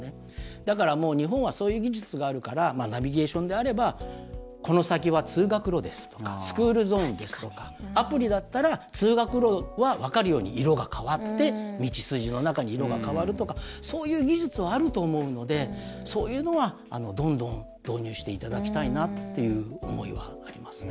だから、日本はそういう技術があるからナビゲーションであればこの先は通学路ですとかスクールゾーンですとかアプリだったら通学路は分かるように色が変わって道筋の中に色が変わるとかそういう技術があると思うのでそういうのは、どんどん導入していただきたいなという思いはありますね。